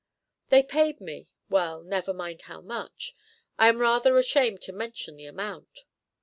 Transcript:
They paid me well, never mind how much I am rather ashamed to mention the amount.